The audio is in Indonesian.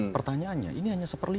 pertanyaannya ini hanya satu per lima